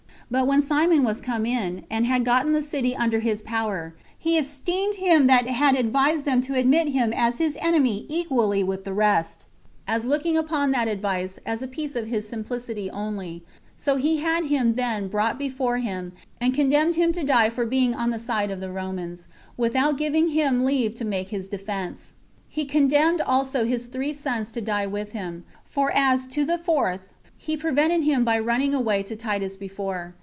But when Simon was come in, and had gotten the city under his power, he esteemed him that had advised them to admit him as his enemy equally with the rest, as looking upon that advice as a piece of his simplicity only; so he had him then brought before him, and condemned to die for being on the side of the Romans, without giving him leave to make his defense. He condemned also his three sons to die with him; for as to the fourth, he prevented him by running away to Titus before.